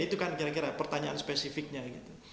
itu kan kira kira pertanyaan spesifiknya gitu